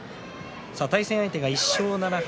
対戦相手は１勝７敗。